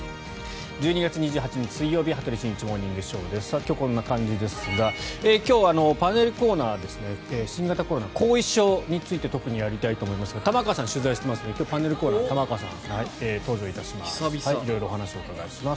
１２月２８日、水曜日「羽鳥慎一モーニングショー」。今日はこんな感じですが今日はパネルコーナーは新型コロナ後遺症について特にやりたいと思いますが玉川さんが取材してますのでパネルコーナーには玉川さん、登場いたします。